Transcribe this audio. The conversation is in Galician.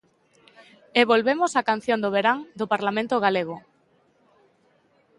E volvemos á canción do verán do Parlamento galego.